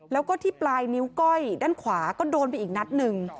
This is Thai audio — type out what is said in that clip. แล้วก็ที่ปลายนิ้วก้อยด้านขวาก็โดนไปอีกนัดหนึ่ง